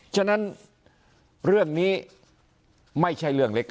ฉะนั้นเรื่องนี้ไม่ใช่เรื่องเล็ก